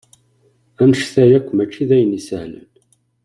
Annect-a akk mačči d ayen isehlen.